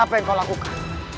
apa yang kau lakukan